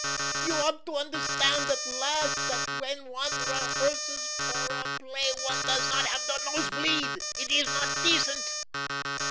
You ought to understand at last, that when one rehearses for a play one does not have the nose bleed. It is not decent."